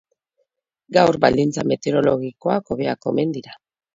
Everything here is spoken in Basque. Gaur, baldintza meteorologikoak hobeak omen dira.